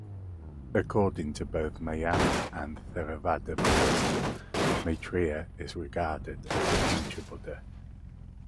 According to both Mahayana and Theravada Buddhism, Maitreya is regarded as the future buddha.